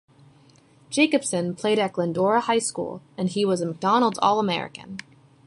Jacobsen played at Glendora High School, and he was a McDonald's All-American.